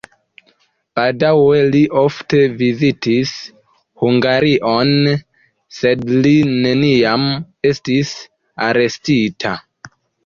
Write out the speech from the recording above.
Baldaŭe li ofte vizitis Hungarion, sed li neniam estis arestita.